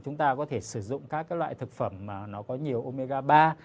chúng ta có thể sử dụng các loại thực phẩm mà nó có nhiều omega ba